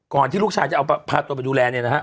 ที่ลูกชายจะเอาพาตัวไปดูแลเนี่ยนะฮะ